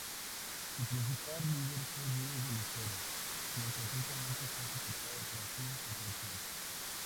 Su principal líder fue Diego Lucero, quien presuntamente fue ejecutado tras su detención.